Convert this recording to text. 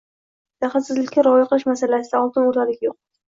Daxlsizlikka rioya qilish masalalarida oltin o‘rtalik yo‘q.